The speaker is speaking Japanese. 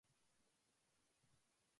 なあ